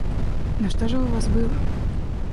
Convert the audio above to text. Но что же у вас было?